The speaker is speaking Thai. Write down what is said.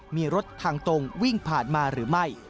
มีรถทางตรงวิ่งผ่านมาหรือไม่